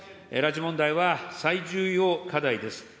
拉致問題は最重要課題です。